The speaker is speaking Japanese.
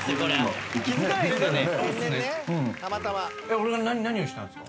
俺が何をしたんすか？